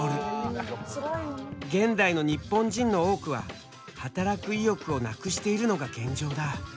現代の日本人の多くは働く意欲をなくしているのが現状だ。